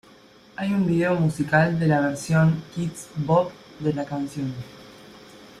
Hay un video musical de la versión Kidz Bop de la canción.